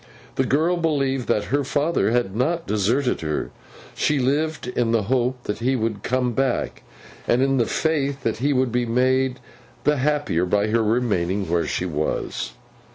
The girl believed that her father had not deserted her; she lived in the hope that he would come back, and in the faith that he would be made the happier by her remaining where she was.